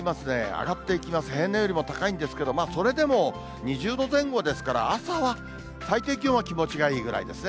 上がっていきます、平年よりも高いんですけど、まあ、それでも２０度前後ですから、朝は、最低気温は気持ちがいいぐらいですね。